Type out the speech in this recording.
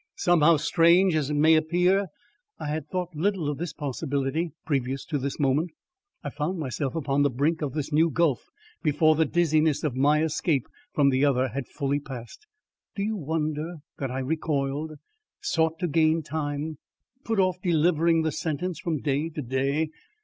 Somehow, strange as it may appear, I had thought little of this possibility previous to this moment. I found myself upon the brink of this new gulf before the dizziness of my escape from the other had fully passed. Do you wonder that I recoiled, sought to gain time, put off delivering the sentence from day to day?